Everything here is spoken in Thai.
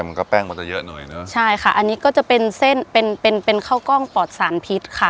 มันก็แป้งมันจะเยอะหน่อยเนอะใช่ค่ะอันนี้ก็จะเป็นเส้นเป็นเป็นเป็นข้าวกล้องปอดสารพิษค่ะ